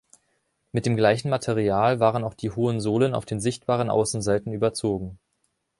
Mit dem gleichen Material waren auch die hohen Sohlen auf den sichtbaren Außenseiten überzogen.